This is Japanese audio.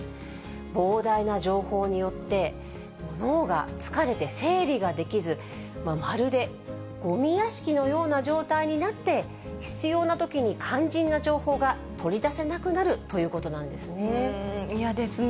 膨大な情報によって、脳が疲れて整理ができず、まるでごみ屋敷のような状態になって、必要なときに肝心な情報が取り出せなくなるということなんですね。